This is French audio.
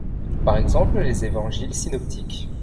Par exemple, les Évangiles synoptiques.